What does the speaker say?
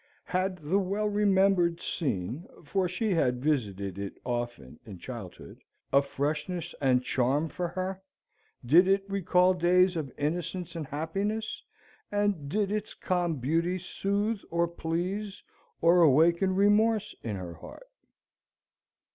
Had the well remembered scene (for she had visited it often in childhood) a freshness and charm for her? Did it recall days of innocence and happiness, and did its calm beauty soothe or please, or awaken remorse in her heart?